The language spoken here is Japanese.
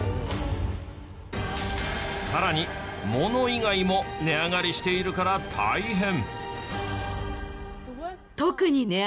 さらにもの以外も値上がりしているから大変。